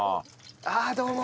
ああどうも！